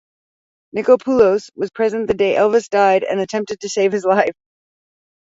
Nichopoulos was present the day Elvis died, and attempted to save his life.